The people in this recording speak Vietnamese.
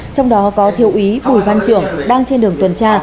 trong đó có thiếu úy bùi văn trưởng đang trên đường tuần tra